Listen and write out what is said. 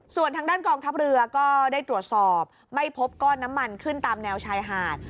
ส่วนทางด้านกองทัพเรือก็ได้ตรวจสอบไม่พบก้อนน้ำมันขึ้นตามแนวชายหาด